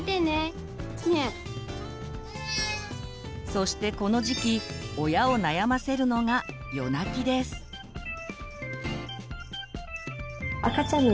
そしてこの時期親を悩ませるのが夜泣きです。